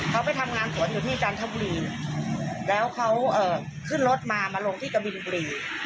เขาไปทำงานสวนอยู่ที่จันทบุรีแล้วเขาขึ้นรถมามาลงที่กะบินบุรี